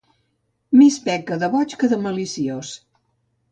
Més peca de boig que de maliciós.